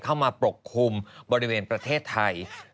เข้ามาปกคลุมบริเวณประเทศไทย